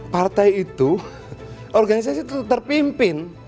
partai itu organisasi terpimpin